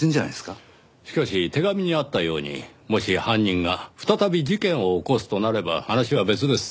しかし手紙にあったようにもし犯人が再び事件を起こすとなれば話は別です。